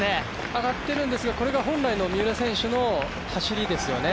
上がっているんですがこれが本来の三浦選手の走りですよね。